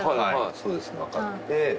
そうですわかって。